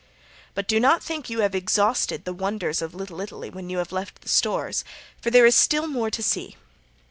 But do not think you have exhausted the wonders of Little Italy when you have left the stores, for there is still more to see.